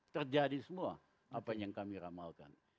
terjadi semua apa yang kami ramalkan